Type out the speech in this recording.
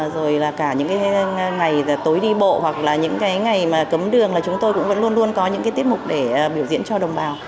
rồi là cả những cái ngày tối đi bộ hoặc là những cái ngày mà cấm đường là chúng tôi cũng vẫn luôn luôn có những cái tiết mục để biểu diễn cho đồng bào